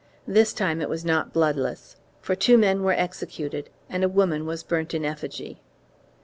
This time it was not bloodless, for two men were executed and a woman was burnt in effigy.